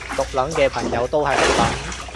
毒撚嘅朋友都係毒撚